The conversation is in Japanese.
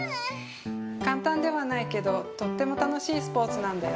簡単ではないけどとっても楽しいスポーツなんだよ。